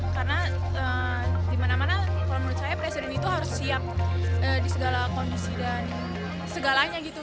karena di mana mana kalau menurut saya presiden itu harus siap di segala kondisi dan segalanya gitu